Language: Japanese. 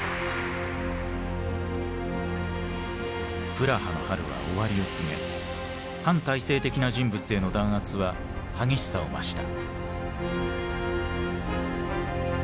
プラハの春は終わりを告げ反体制的な人物への弾圧は激しさを増した。